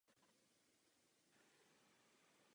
V některých členských státech pro to existuje velký potenciál.